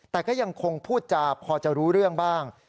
แต่ก็ยังคงพูดจาพอจะรู้เรื่องบ้าง